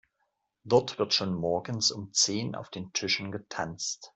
Dort wird schon morgens um zehn auf den Tischen getanzt.